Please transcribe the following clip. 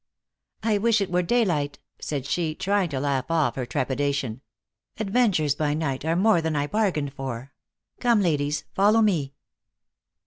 " I wish it were daylight!" said she, trying to laugh off her trepidation." " Adventures by night are more than I bargained for. Come ladies, follow me."